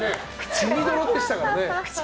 血みどろでしたからね。